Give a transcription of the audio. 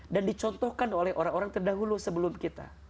dan dicontohkan oleh orang orang terdahulu sebelum kita